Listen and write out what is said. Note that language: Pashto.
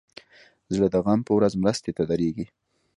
زړه د غم په ورځ مرستې ته دریږي.